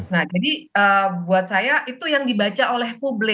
nah jadi buat saya itu yang dibaca oleh publik